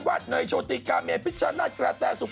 อยู่อินสตาแกรม